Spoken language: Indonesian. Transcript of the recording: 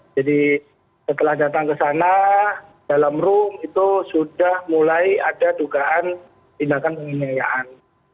jadi setelah datang ke sana dalam room itu sudah mulai ada dugaan tindakan pengenayaan